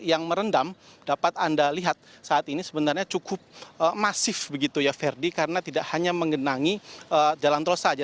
yang merendam dapat anda lihat saat ini sebenarnya cukup masif begitu ya ferdi karena tidak hanya menggenangi jalan tol saja